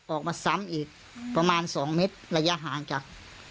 ออกมาซ้ำอีกประมาณ๒เมตรระยะห่างจาก